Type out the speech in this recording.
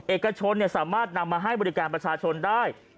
เอกชนสามารถนำมาให้บริการประชาชนได้